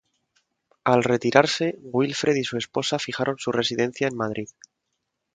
Al retirarse, Wilfred y su esposa fijaron su residencia en Madrid.